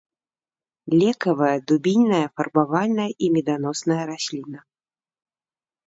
Лекавая, дубільная, фарбавальная і меданосная расліна.